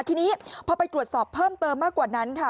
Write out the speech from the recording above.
ทีนี้พอไปตรวจสอบเพิ่มเติมมากกว่านั้นค่ะ